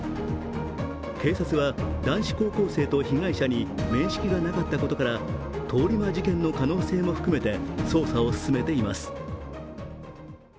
警察は男子高校生と被害者に面識がなかったことから通り魔事件の可能性も含めて捜査を進めています。